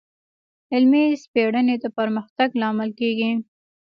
علمي سپړنې د پرمختګ لامل کېږي.